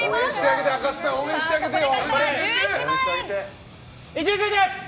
あかつさん、応援してあげてよ。